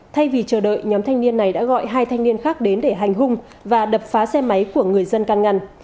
thay vì chờ đợi nhóm thanh niên này đã gọi hai thanh niên khác đến để hành hung và đập phá xe máy của người dân can ngăn